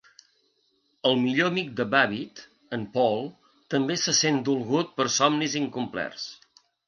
El millor amic de Babbitt, en Paul, també se sent dolgut per somnis incomplerts.